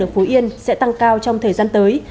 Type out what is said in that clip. ở phú yên sẽ tăng cao trong thời gian tới